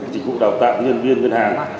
chính phủ đào tạo nhân viên dân hàng